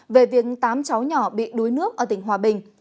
về việc tám cháu nhỏ bị đuối nước ở tỉnh hòa bình